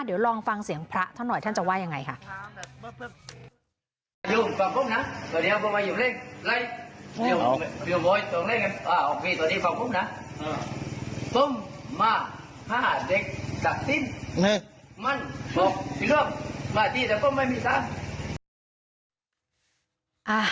เดี๋ยวลองฟังเสียงพระท่านหน่อยท่านจะว่ายังไงค่ะ